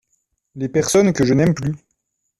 Les personnes que je n’aime plus.